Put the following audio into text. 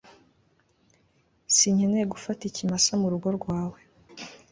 sinkeneye gufata ikimasa mu rugo rwawe